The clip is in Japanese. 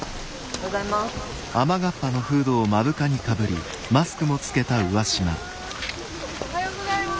おはようございます。